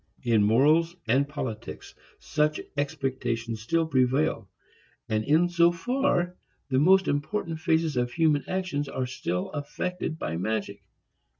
In morals and politics such expectations still prevail, and in so far the most important phases of human action are still affected by magic.